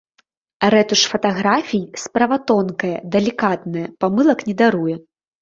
Рэтуш фатаграфій справа тонкая, далікатная, памылак не даруе.